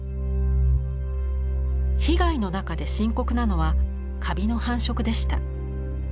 被害の中で深刻なのはカビの繁殖でした。